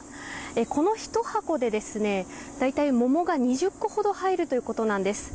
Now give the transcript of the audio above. この１箱で大体、桃が２０個ほど入るということなんです。